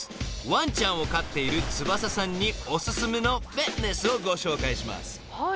［ワンちゃんを飼っている翼さんにおすすめのフィットネスをご紹介します］